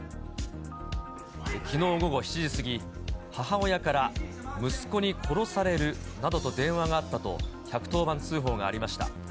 きのう午後７時過ぎ、母親から息子に殺されるなどと電話があったと、１１０番通報がありました。